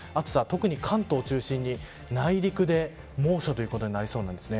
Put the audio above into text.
特に関東中心に内陸で猛暑ということになりそうです。